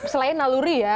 selain naluri ya